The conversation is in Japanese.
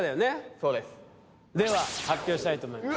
そうですでは発表したいと思います